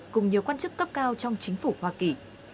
cùng nhiều quan chức cấp cao trong chính phủ hoa kỳ